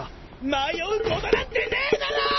迷うことなんてねえだろー！